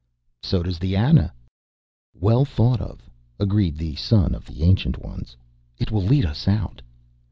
"So does the Ana." "Well thought of," agreed the son of the Ancient Ones. "It will lead us out."